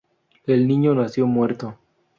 El niño nació muerto.